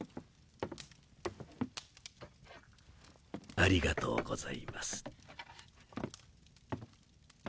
ありがとうございます。